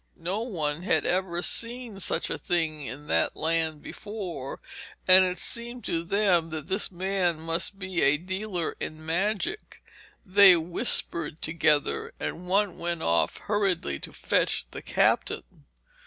No one had ever seen such a thing in that land before, and it seemed to them that this man must be a dealer in magic. They whispered together, and one went off hurriedly to fetch the captain.